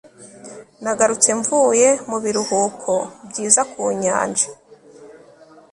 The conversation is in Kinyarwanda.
nagarutse mvuye mu biruhuko byiza ku nyanja